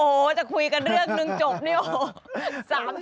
โอ้โหจะคุยกันเรื่องหนึ่งจบนี่โอ้โห